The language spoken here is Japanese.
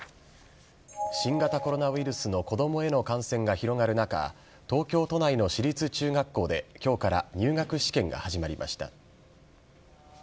新型コロナウイルスの子どもへの感染が広がる中、東京都内の私立中学校で、きょうから入学試験が始まりました。